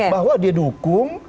bahwa dia dukung